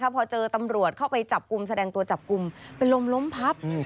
พอเจอตำรวจเข้าไปจับกลุ่มแสดงตัวจับกลุ่มเป็นลมล้มพับ